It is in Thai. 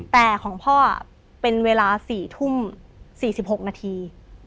แต่ของพ่อเป็นเวลา๔ทุ่ม๔๖นาที